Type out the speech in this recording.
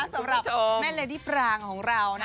สำหรับแม่เลดี้ปรางของเรานะ